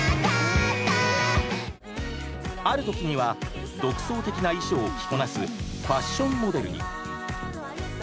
ある時には独創的な衣装を着こなすファッションモデルに。